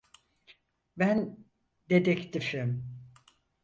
Ben dedektifim.